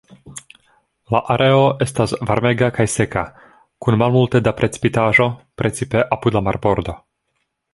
La areo estas varmega kaj seka kun malmulte da precipitaĵo, precipe apud la marbordo.